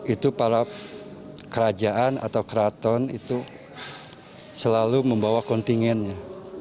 itu para kerajaan atau keraton itu selalu membawa kontingennya